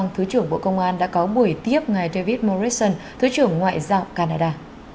thứ trưởng bộ công an đã có buổi tiếp ngài david morrison thứ trưởng ngoại giao canada